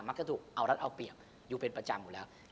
ถูกเอารัดเอาเปรียบอยู่เป็นประจำอยู่แล้ว